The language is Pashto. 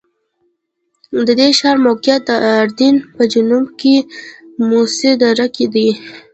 د دې ښار موقعیت د اردن په جنوب کې موسی دره کې دی.